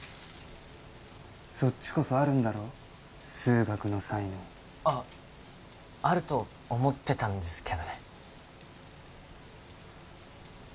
そっちこそあるんだろ数学の才能あっあると思ってたんですけどね